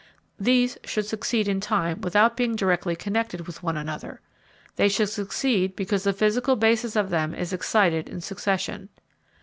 These should succeed in time without being directly connected with one another; they should succeed because the physical basis of them is excited in succession.